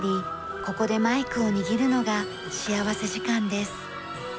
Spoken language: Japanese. ここでマイクを握るのが幸福時間です。